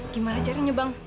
gimana caranya bang